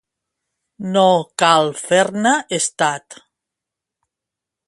No cal fer-ne estat.